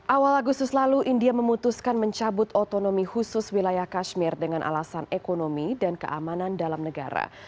awal agustus lalu india memutuskan mencabut otonomi khusus wilayah kashmir dengan alasan ekonomi dan keamanan dalam negara